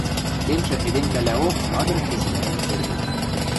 Темшӹ эдемвлӓлӓок мадын-веселӓен кердӹт.